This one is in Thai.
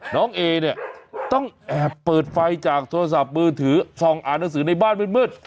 น้องเอเนี่ยต้องแอบเปิดไฟจากโทรศัพท์มือถือส่องอ่านหนังสือในบ้านมืด